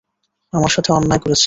আমার সাথে অন্যায় করেছে।